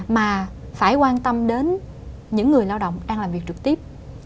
mà phải quan tâm đến những người lao động đang làm việc trực tiếp